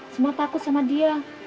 semua takut sama dia